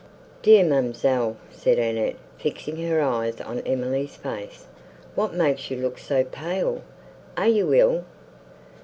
"Dear ma'amselle!" said Annette, fixing her eyes on Emily's face, "what makes you look so pale?—are you ill?"